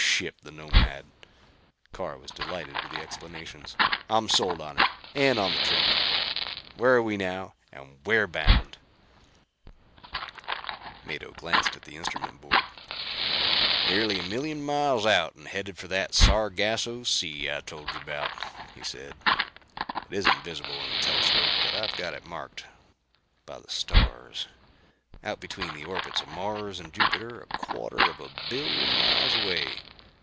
"Some ship, the Nomad!" Carr was delighted with the explanations. "I'm sold on her and on the trip. Where are we now and where bound?" Mado glanced at the instrument board. "Nearly a million miles out and headed for that Sargasso Sea I told you about," he said. "It isn't visible in the telescope, but I've got it marked by the stars. Out between the orbits of Mars and Jupiter, a quarter of a billion miles away.